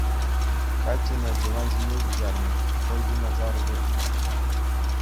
Катя ӑна диван ҫине куҫарнӑ, хӑй юнашар выртнӑ.